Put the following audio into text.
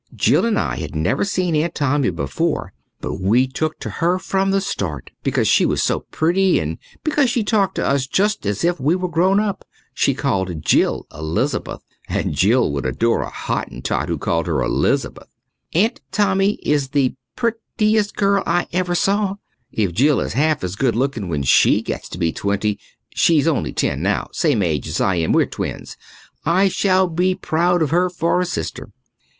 Jill and I had never seen Aunt Tommy before, but we took to her from the start because she was so pretty and because she talked to us just as if we were grown up. She called Jill Elizabeth, and Jill would adore a Hottentot who called her Elizabeth. Aunt Tommy is the prettiest girl I ever saw. If Jill is half as good looking when she gets to be twenty she's only ten now, same age as I am, we're twins I shall be proud of her for a sister.